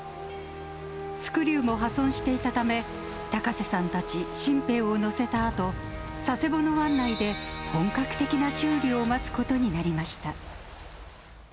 スクリューも破損していたため、高瀬さんたち新兵を乗せたあと、佐世保の湾内で本格的な修理を待つことになりました。